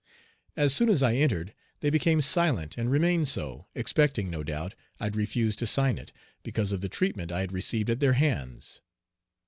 As soon as I entered they became silent and remained so, expecting, no doubt, I'd refuse to sign it, because of the treatment I had received at their hands.